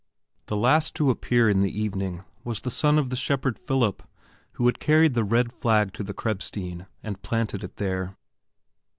The last to appear in the evening was the son of the shepherd Philip who had carried the red flag to the Krebsstein and planted it there.